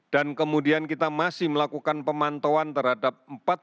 dan kemudian kita masih melakukan pemantauan terhadap